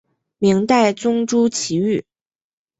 明代宗朱祁钰。